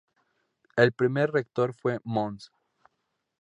El primer rector fue Mons.